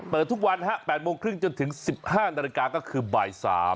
เปิดทุกวัน๘โมงครึ่งจนถึง๑๕นาฬิกาก็คือบ่าย๓